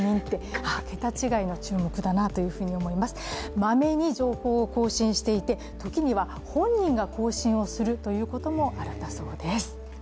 マメに情報を更新していて時には本人が更新することもあるんだそうです。